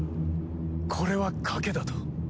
これは賭けだと。